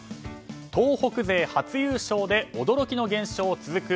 東北勢初優勝で驚きの現象続く。